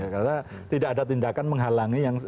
karena tidak ada tindakan menghalangi yang